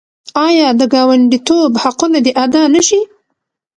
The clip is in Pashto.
آیا د ګاونډیتوب حقونه دې ادا نشي؟